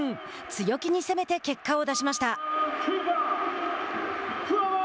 強気に攻めて結果を出しました。